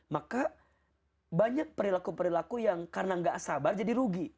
maka banyak perilaku perilaku yang karena gak sabar jadi rugi